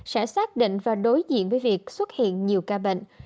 sẽ xác định và đối diện với việc xuất hiện nhiều ca bệnh